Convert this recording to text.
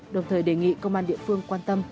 đồng thời đề nghị công an địa phương quan tâm